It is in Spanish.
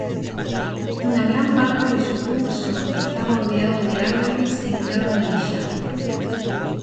Una gran parte de su curso está bordeado de árboles en cada orilla.